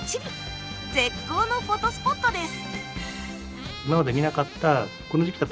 絶好のフォトスポットです。